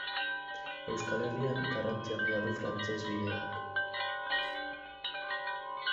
Euskal Herrian garrantzi handia du Frantses bideak.